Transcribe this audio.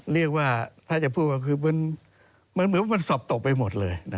เรียกว่าถ้าจะพูดก็คือมันเหมือนมันสอบตกไปหมดเลย